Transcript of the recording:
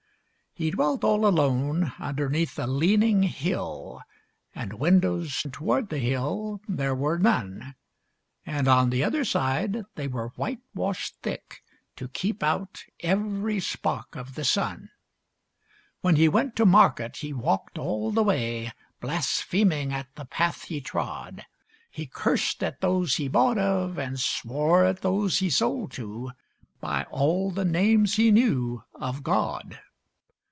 He dwelt all alone, underneath a leaning hill, And windows toward the hill there were none, And on the other side they were white washed thick, To keep out every spark of the sun. When he went to market he walked all the way Blaspheming at the path he trod. He cursed at those he bought of, and swore at those he sold to, By all the names he knew of God.